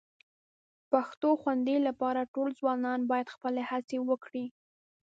پښتو خوندي لپاره ټول ځوانان باید خپلې هڅې وکړي